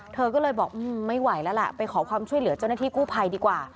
เธอก็เลยบอกไม่ไหวแล้วล่ะไปขอความช่วยเหลือเจ้าหน้าที่กู้ภัยดีกว่า